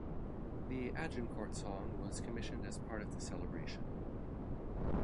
The 'Agincourt Song' was commissioned as part of the celebration.